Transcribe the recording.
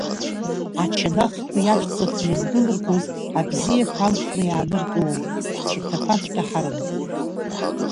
Ачанахқәеи аҵәцақәеи андәылыргоз абзиақәа алхны иааныркылон, ҳцәарҭақәаҵәҟьа ҳарымҭеит…